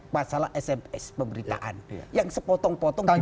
pasal sms pemerintahan yang sepotong potong dipercaya